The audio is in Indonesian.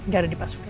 gak ada di pak surya